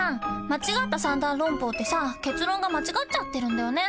間違った三段論法ってさ結論が間違っちゃってるんだよね。